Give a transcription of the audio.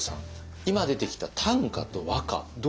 今出てきた短歌と和歌どう違うんですか？